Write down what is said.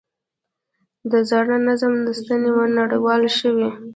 د زاړه نظام ستنې ونړول شوې.